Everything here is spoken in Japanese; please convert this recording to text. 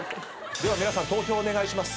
では皆さん投票お願いします。